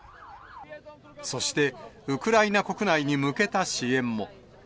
そして、ウクライナ国内に向けた支援も。